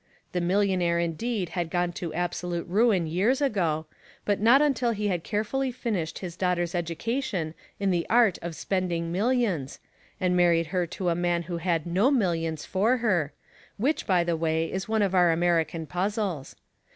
The millionnaire indeed had gone to absolute ruin years ago, but not un til he had carefully finished his daughter's edu cation in the art of spending millions, and married her to a man who had no millions for her, which, by the way, is one of our American puzzles.